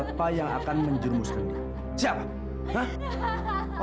siapa yang akan menjerumuskan dia siapa